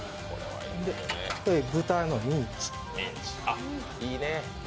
豚のミンチ。